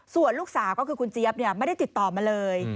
ส่วนลูกสาวก็คือคุณเจี๊ยบไม่ได้ติดต่อมาเลย